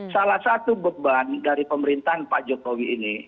salah satu beban dari pemerintahan pak jokowi ini